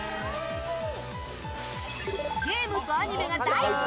ゲームとアニメが大好き！